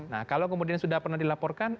nah kalau kemudian sudah pernah dilaporkan